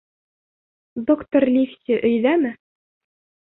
— Доктор Ливси өйҙәме?